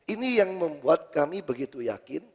ini yang membuat kami begitu yakin